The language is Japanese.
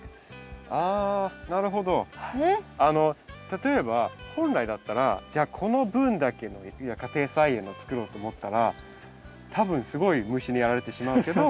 例えば本来だったらじゃあこの分だけ家庭菜園を作ろうと思ったら多分すごい虫にやられてしまうけど。